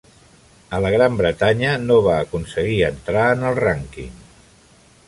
A la Gran Bretanya, no va aconseguir entrar en el rànquing.